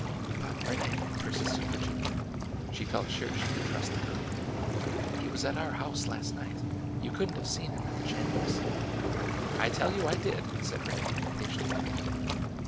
But, Rene," persisted Virginia (she felt sure she could trust the girl), ''he was at our house last night. You could n't have seen him at the Chandlers'." *' I tell you I did !" said Rene, impatiently.